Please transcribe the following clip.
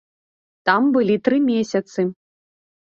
Там былі тры месяцы.